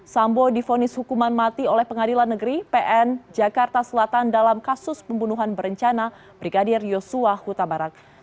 sambo difonis hukuman mati oleh pengadilan negeri pn jakarta selatan dalam kasus pembunuhan berencana brigadir yosua huta barat